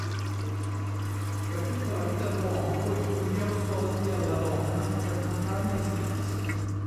Per tutta la vita, l'uomo poi inviò soldi alla donna per comprarne il silenzio.